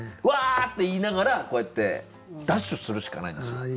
「わ」って言いながらこうやってダッシュするしかないんですよ。